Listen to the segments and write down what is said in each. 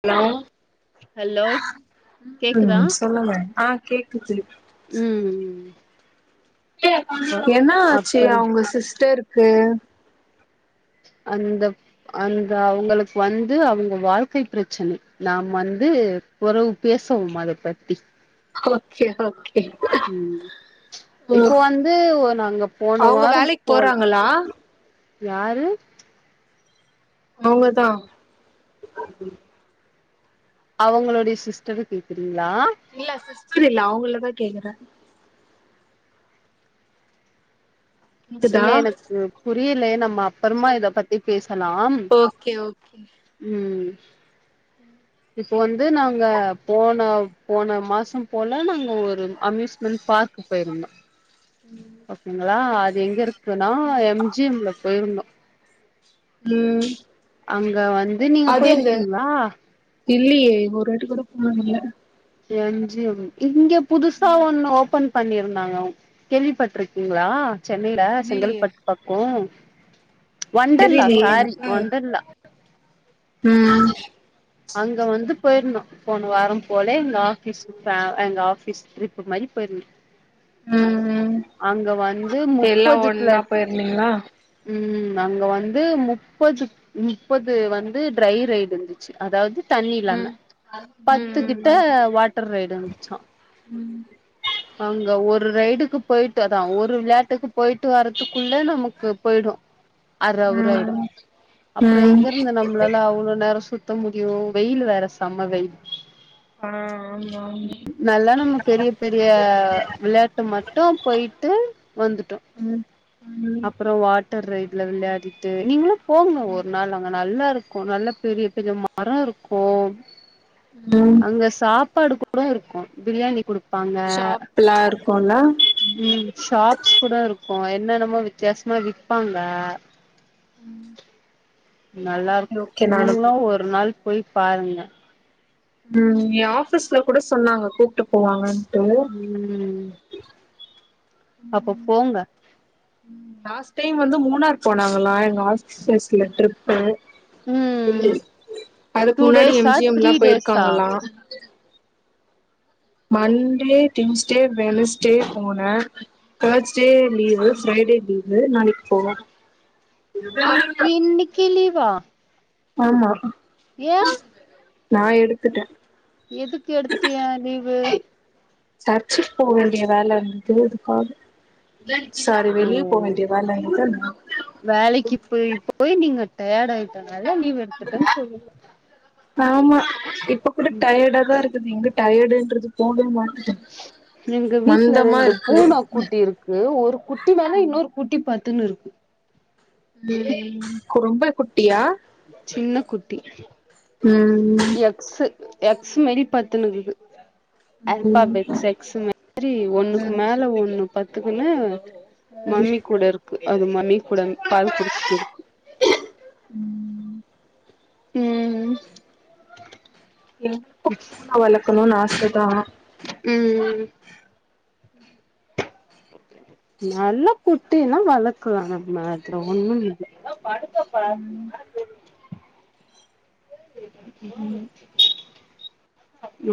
hello hello கேக்குதா ம் சொல்லுங்க ஆ கேக்குது ம் அப்ப என்ன ஆச்சு அப்பறம் அவுங்க சிஸ்டருக்கு அந்த அந்த அவுங்களுக்கு வந்து அவுங்க வாழ்க்கை பிரச்சனை நாம் வந்து பொறவு பேசவு அத பத்தி ஓகே ஓகே ம் ம் இப்போ வந்து ஒரு அங்க போன அவங்க வாரோ வேலைக்கு போல போறாங்களா யாரு அவுங்கதா அவங்களுடைய சிஸ்டர கேக்றீங்களா இல்ல சிஸ்டர் இல்ல அவங்களதா கேக்குறே கேக்குதா இல்ல எனக்கு புரியல நம்ம அப்பறமா இத பத்தி பேசலாம் ஓகே ஓகே ம் இப்ப வந்து நாங்க போன போன மாசம் போல நாங்க ஒரு அம்யூஸ்மெண்ட் பார்க்கு போயிருந்தோ அப்டிங்களா அது எங்க இருக்குனா எம் ஜி எம்ல போயிருந்தோ ம் அங்க வந்து நீங்க போய்ருக்கீங்ளா இல்லியே ஒரு வாட்டி கூட போனதில்ல எம் ஜி எம் இங்க புதுசா ஒன்னு ஓப்பன் பண்ணியிருந்தாங்க கேள்விப்பட்ருக்கீங்ளா சென்னையில இல்லியே செங்கல்பட்டு பக்கோ வொண்டர்லா தெரிலியே சாரி எனக்கு வொண்டர்லா ம் அங்க வந்து போயிருந்தோ போன வாரம் போல எங்க ஆபீஸ் எங்க ஆஃபீஸ் ட்ரிப் மாரி போயிருந்தோ ம் ம் அங்க வந்து எல்லா முப்பது ஒன்னா பிளஸ் போயிருந்தீங்களா ம் அங்க வந்து முப்பது முப்பது வந்து ட்ரை ரைடு இர்ந்துச்சு அதாவது தண்ணி ம் இல்லாம பத்துக்கிட்ட ம் வாட்டர் ரைடு இர்ந்துச்சா ம் அங்க ஒரு ரைடுக்கு போயிட்டு அதா ஒரு விளயாட்டுக்கு போயிட்டு வரறதுக்குள்ள நமக்கு போய்டு அர ம் அவுரு ஆயிடு ம் அப்றோ ம் எங்க இருந்து நம்ளாலா அவ்ளோ நேரோ சுத் சுத்த முடியு வெயிலு வேற செம வெயில் ஆ ஆமா ஆமா நல்லா நம்ம பெரிய பெரிய விளையாட்டு மட்டு போயிட்டு வந்துட்டோ ம் ம் அப்புறோ வாட்டர் ரைடுல விளையாடிட்டு நீங்ளு போங்கோ ஒர் நாள் அங்க நல்லாருக்கு நல்லா பெரிய பெரிய ம மரோருக்கோ ம் அங்க சாப்பாடு கூட இருக்கு பிரியாணி குடுக் பாங்க ஷாப்லா இருக்குல்ல ம் ஷாப்ஸ் கூடருக்கோ என்னன்னமோ வித்தியாசமா விப்பாங்க ஓகே நல்லாருக் ஓகே நானு நீங்ளு ஒரு நாள் போய் பாருங்க ம் எ ஆஃபீஸ்ல கூட சொன்னாங்க கூப்ட்டு போவாங்கன்டு ம் அப்போ போங்க லாஸ்ட் டைம் வந்து மூணார் போனாங்களா எங்க ஆபிஸ்செஸ்ல ட்ரிப்பு ம் அதுக்கு டூ முன்னாடி எம் டேஸா ஜி எம்ல்லா த்ரீ டேஸா போயிர்க்காங்களா மண்டே டியூஸ்டே வெனஸ்டே போன தேர்ஸ்டே லீவு ஃப்ரைடே லீவு நாளைக் போவே இன்னிக்கி லீவா ஆமா ஏ நா எடுத்துட்டே எதுக் எடுத்திய லீவு சர்ச்சுக்கு போ வேண்டிய வேல இருந்து அதுக்காக சாரி ஓ வெளிய போ வேண்டிய வேல இருந்து அத்னால வேலைக்கு இப்ப இப்ப போய் நீங்க டயடு ஆயிட்டனால லீவ் எட்த்துடன் சொல்லுங்க ஆமா இப்ப கூட டயடா தாருக்குது எங்க டயடுன்றது போவே மாட்டுது எங்க வீட்ல மந்தமா ரெண்டு இருக்கு பூன குட்டி இருக்கு ஒரு குட்டி மேல இன்னொரு குட்டி பத்துன்னு இருக்கு ம் குறும்பு குட்டியா சின்ன குட்டி ம் எக்ஸ்ஸு எக்ஸ்மாரி பத்துனுக்குது ம் ஆல்ஃபபெட் எக்ஸ்மாரி ஒன்னுக்கு ம் மேல ஒன்னு பத்துக்குன்னு மம்மி கூட இருக்கு அது மம்மிகூட பால் குடிச்சுட்ருக்கு ம் நனக்கு பூன வளக்கணுன் ஆசதா ம் நல்ல குட்டினா வளக்குலா நம்ம அதுல ஒன்னு இல்ல நா படுத்தப்பா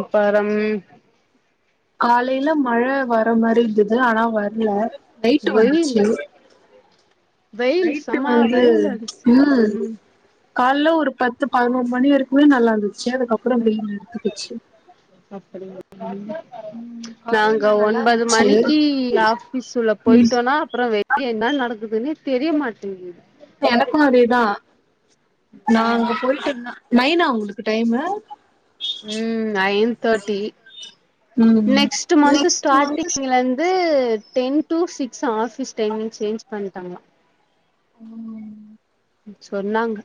அப்பறம் காலைல மழ வரமாரி இருந்தது ஆனா வர்ல நைட்டு வெயில் வந்துச்சு வெயில் நைட்டு செம வந்து வெயில் அடிச்சு ம் கால்ல ஒரு பத்து பதினொரு மணி வரிக்குமே நல்லாருந்துச்சு அதுக்கப்புறோ ம் வெயில் எடுத்துக்குச்சு கால்ல நாங்க நா நல்லா ஒன்பது இருந்துச்சு மணிக்கி ஆஃபீஸ் உள்ள போய்ட்டோனா அப்புறோ வெளிய என்ன நடக்குதுன்னே தெரிய மாட்டேங்குது எனக்கு அதேதா நா அங்க போய்ட்டன்னா நைனா உங்களுக்கு டைமு ம் நைன் தேட்டி ம் நெக்ஸ்ட்டு மன்த்து ஸ்டாட்டிங்லருந்து ten to six office timing change பண்ட்டாங்ளா ம் சொன்னாங்க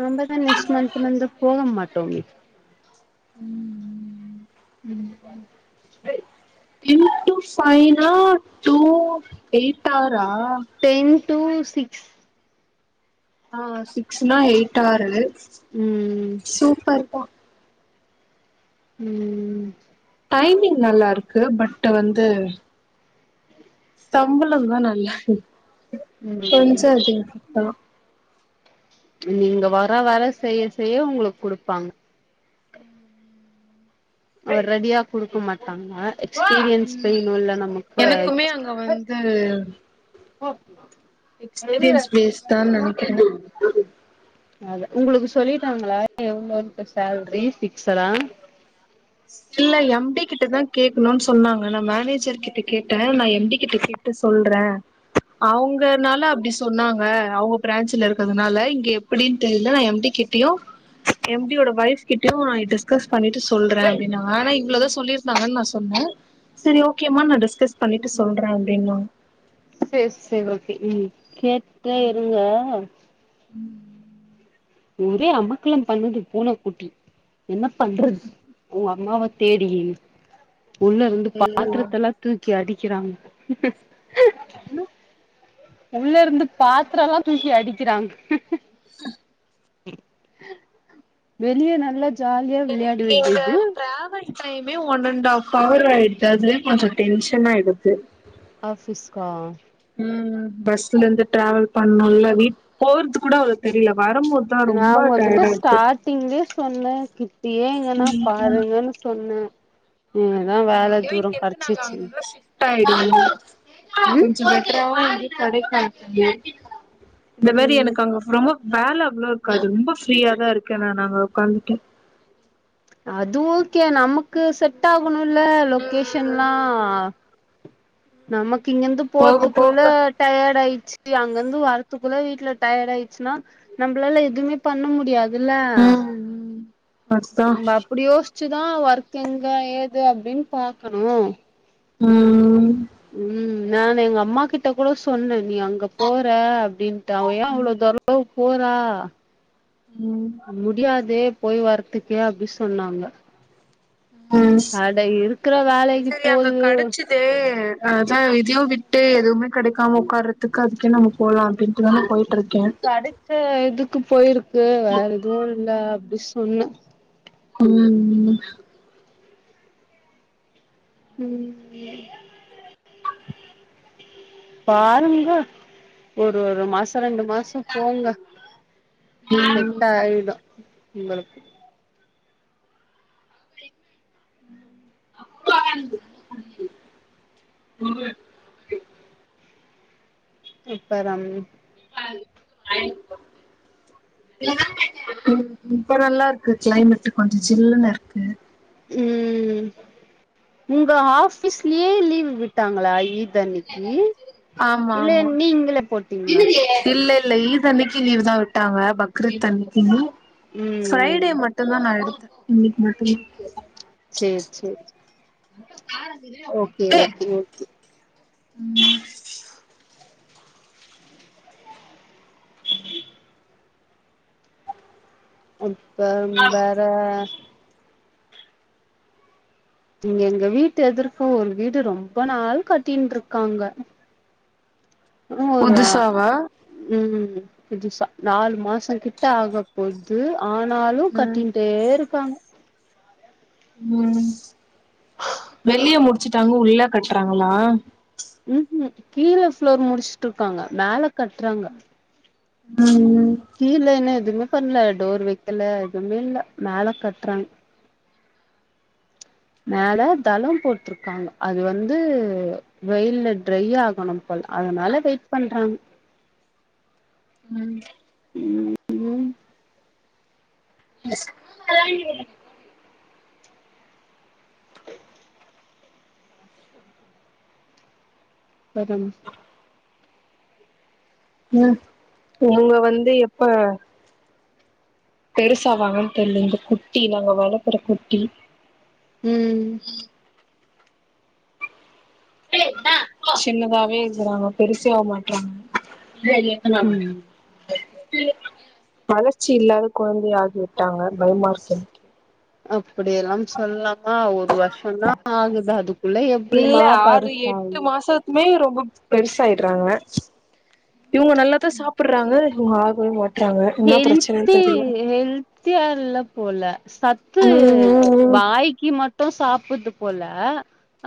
நமதா நெக்ஸ்ட் மந்த்து வந்து போக மாட்டோமே ம் ம் ம் ம் டென் டூ ஃபைவ்னா டூ எயட் ஆரா டென் டூ சீக்ஸ் ஆ சிக்ஸுன்னா எயிட் ஆரு ம் சூப்பர்தா ம் டைமிங் நல்லாருக்கு பட்டு வந்து சம்பளம்தா நல்லால ம் கொஞ்சோ அதிக படுத்தலா நீங்க வர வர செய்ய செய்ய உங்களுக்கு குடுப்பாங்க ஒரேடியா குடுக்க மாட்டாங்கா எக்ஸ்பீரியன்ஸ் வேணுல நமக்கு எனக்குமே அங்க வந்து எக்ஸ்பீரியன்ஸ் பேஸ்தா நனைக்கிறே அத உங்களுக்கு சொல்லிட்டாங்களா எவ்ளோன்டு சேலரி பிக்சடா இல்ல எம் டிகிட்டதா கேக்கணுன் சொன்னாங்க நா மேனேஜர்கிட்ட கேட்டே நா எம் டிகிட்ட கேட் ட்டு சொல்றே அவுங்கனால அப்டி சொன்னாங்க அவுங்க ப்ரான்சுல இருக்கறதுனால இங்க எப்டின் தெர்ல நா எம் டிகிட் டியு எம் டியோட வைஃப்கிட்யு நா டிஸ்கஸ் பண்ணிட்டு சொல்றே அப்டின்னாங்க ஆனா இவ்ளதா சொல்லிருந்தாங்கன் நா சொன்ன செரி ஓகேமா நா டிஸ்கஸ் பண்ணிட்டு சொல்றே அப்டின்னாங் சேரி சேரி ஓகே ம் கேட்ட இருங்க ம் ஒரே அமக்களம் பண்ணுது பூன குட்டி என்ன பண்றது ஒ அம்மாவ தேடி உள்ள இருந்து ம் பாத்திரத்தல்லாம் தூக்கி அடிக்கறங்க அலோ உள்ள இருந்து பாத்திரம்லாம் தூக்கி அடிக்கறாங்க [inaudible] வெளிய நல்லா ஜாலியா விளையாட எனக்கு இங்க வேண்டிது டிராவல் டைமே ஒன் அண்ட் ஹாஃப் அவர் ஆயிடுது அதுலயே கொஞ்சம் டென்ஷன ஆயிடுது ஆபீஸ்க்கா உம் பஸ்லந்து டிராவல் பண்ணும்ல வீட் போறது கூட அவ்ள தெரில வரும்போது நா உங்ககிட்ட ஸ்டாடிங்லயே சொன்ன கிட்டியே எங்கன்னா பாருங்கன்னு சொன்ன கெடச்சிச்சு அங்க ஷிப்ட் ஆடு ம் கொஞ்ச பெட்டராவு கடைக்காது இந்த மாரி ம் எனக்கு அங்க ப்றோமே வேல அவ்ள இருக்காது ரொம்ப ஃப்ரீயா தான் இருக்கே நானு அங்க உக்காந்துட்டு அது ஓகே நமக்கு செட் ஆகணும்ல்ல லொகேஷன்ல்லாம் நமக்கு இங்கிந்து போக போறதுக்குள்ள போக டயர்ட் ஆயிச்சு அங்கந்து வரத்துக்குள்ள வீட்ல டயர்ட் ஆயிச்சுன்னா நம்ளால எதுமே பண்ண முடியாதுல்ல அதுதா ம் அதா நம்ம அப்டி யோஸ் ச்சுதா ஒர்க்க எங்க ஏது அப்டின்னு பாக்கணும் அ ம் நானு எங்க அம்மா கிட்ட கூட சொன்னே நீ அங்க போற அப்டின்ட்டு அவ ஏ அவ்ளோ தர போறா ம் முடியாதே போய் வரதுக்கே அப்டி சொன்னாங்க ம் அட இருக்கற வேலைக்கு போதுவே இது அ அதா இதும் விட்டு கடைக்காம ஒக்காரதுக்கு அதுக்கே நம்ம போலாம் அப்டின்ட்டுதா நா போயிட்டுருக்கே கேடச்ச இதுக்கு போயிருக்கு வேற எதுவு இல்ல அப்டி சொன்ன ம் ம் பாருங்க ஒரு ஒரு மாச ரெண்டு மாசம் போங்க ம் செட் ஆயிடும் உங்களுக்கு [inaudible] அப்பறம் [inaudible] ம் இப்ப நல்லா இருக்கு கிளைமேட் கொஞ்ச ஜில்லுன்னு இருக்கு ம் உங்க ஆபீஸ்லயே லீவ் விட்டாங்களா இது அன்னிக்கு ஆமா இல்ல ஆமா நீங்களே போட்டீங்களா இல்ல இல்ல ஈட் அன்னிக்கு லீவ் தா விட்டாங்க பக்ரீத் அன்னிக்கு ம் ஃப்ரைடே மட்டுதா நா எடுத்த இன்னிக்கு மட்டும்தா செர் செரி ஓகே ஓகே [unintelligible] அப்போ வேற இங்க எங்க வீட்டு எதிர்க்க ஒரு வீடு ரொம்ப நாள் கட்டிண்ருக்காங்க உன்னு ஒரு புதுசாவா ம் புதுசா நாலு மாசோ கிட்ட ஆகு பொது ஆனாலு ம் கட்டிண்டே இருக்காங்க ம் வெளிய முடுச்சுட்டாங்க உள்ள கட்றாங்களா ம்ம் கீழ ஃப்ளோர் முடுஸ்டருக்காங்க மேல கட்றாங்க ம் ம் கீழ இன்னு எதுமே பண்ணல டோர் வைக்கல எதுமே இல்ல மேல கட்றாங்க [unintelligible] மேல தளோ போட்ருக்காங்க அது வந்து வெயில்ல ட்ரை ஆகணு போல அதுனால வெயிட் பண்றாங்க ம் ம் ம் [unintelligible] பதம் ம் இவுங்க வந்து எப்ப பெருசாவாங்கன் தெர்ல இது குட்டி நாங்க வளக்குற குட்டி ம் சின்னதாவே இருக்காங்க பெருசாக மாட்றாங்க என்னா பண்ண ம் வளர்ச்சி இல்லாத குழந்தை ஆகி விட்டாங்க பய் மார்சன் அப்டியல்லாம் சொல்லாமா ஒரு வருஷம்தா ஆகுது அதுக்குள்ள எப்டிமா பருசாகு மே ரொம்ப பெருசாயிட்றாங்க இவுங்க நல்லா தா சாப்புற் றாங்கா இவுங்க ஆகவே மாட் ஹெல்த்தி ஹெல் த்தியா இல்ல போல சத்து ம் ம் வாய்க்கி மட் ட்டு சாப்புற்து போல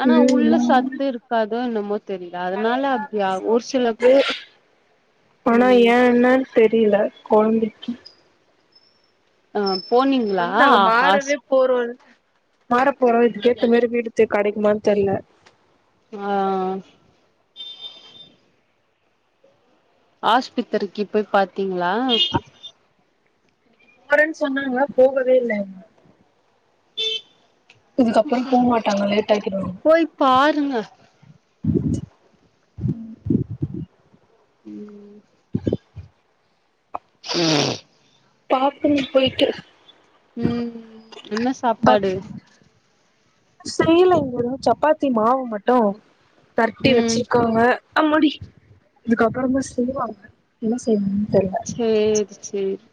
ஆனா உள்ள ம் ம் சத்து இருக்காதோ என்னமோ தெரில அதுனால அப்டியாகு ஒரு சில சாப்புடுது ம் தெரில கொழந்தக்கி அ போனிங்களா ஹாஸ் போறோன் மாற போறோ இதுக்கேத்தா மாரி வீடு து கெடைக்குமான தெரில ஆ ஆஸ்பத்திரிக்கி போய் பாத்தீங்களா போறேன்னு சொன்னாங்கலா போகவே இல்ல அதுக்கப்பறோ போ மாட்டாங்க லேட் ஆக்கிடுவாங்க போய் பாருங்க [inaudible] ம் ம் [inaudible] [unintelligible] பாக்கனு போயிட்டு ம் என்ன பக் சாப்பாடு செய்யல இங்க இன்னு சப்பாத்தி மாவு மட்டு பெரட்டி ம் வச்சுருக்காங்க அம்மாடி இதுக்கப்பற தா செய்வாங்க என்ன செய்வாங்கன் தெர்ல சேரி சேர்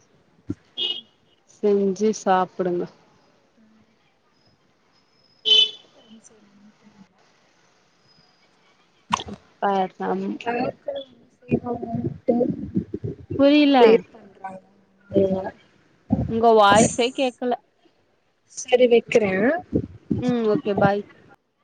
செஞ்சு சாப்புடுங்க என்ன செய்வாங்கன் தெரில பாக்லாம் [inaudible] புரியில லேட் பண்றாங்க [unintelligible] உங்க வாய்ஸே கேக்கல சேரி வெக்கிறே ம் ஓகே பாய்